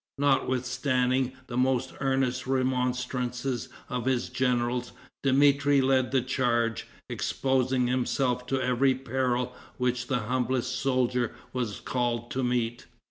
Notwithstanding the most earnest remonstrances of his generals, Dmitri led the charge, exposing himself to every peril which the humblest soldier was called to meet.